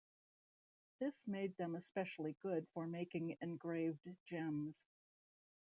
This made them especially good for making engraved gems.